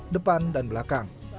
depan dan belakang